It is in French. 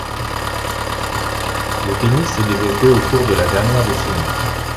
Le tennis s'est développé au cours de la dernière décennie.